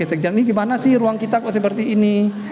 sekjen ini gimana sih ruang kita kok seperti ini